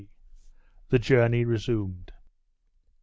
THE JOURNEY RESUMED.